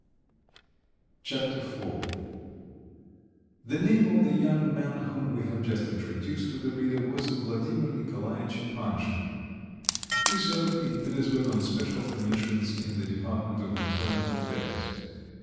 Chapter IV The name of the young man whom we have just introduced to the reader was Vladimir Nikolaitch Panshin. He served in Petersburg on special commissions in the department of internal affairs.